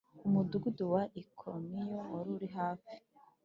Umudugudu wa Ikoniyo wari uri hafi .